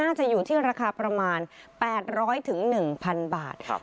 น่าจะอยู่ที่ราคาประมาณแปดร้อยถึงหนึ่งพันบาทครับ